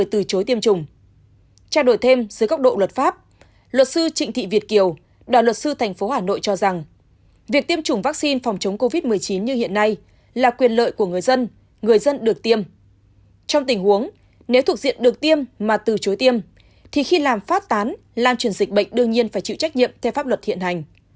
làm truyền dịch bệnh đương nhiên phải chịu trách nhiệm theo pháp luật thiện hành